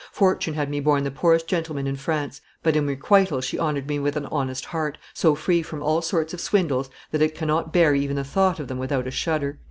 Fortune had me born the poorest gentleman in France, but in requital she honored me with an honest heart, so free from all sorts of swindles that it cannot bear even the thought of them without a shudder."